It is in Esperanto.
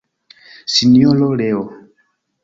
Sinjoro Leo.